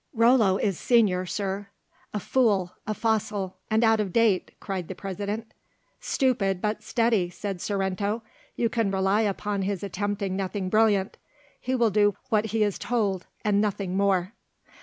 "Rollo is senior, Sir." "A fool, a fossil, and out of date," cried the President. "Stupid, but steady," said Sorrento. "You can rely upon his attempting nothing brilliant; he will do what he is told, and nothing more."